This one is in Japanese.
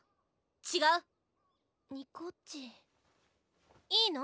違う？にこっちいいの？